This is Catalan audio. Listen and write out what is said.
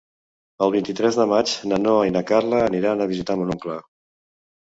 El vint-i-tres de maig na Noa i na Carla aniran a visitar mon oncle.